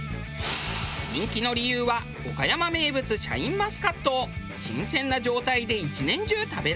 人気の理由は岡山名物シャインマスカットを新鮮な状態で一年中食べられるから。